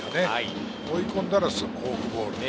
追い込んだらフォークボール。